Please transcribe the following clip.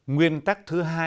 nguyên tắc thứ hai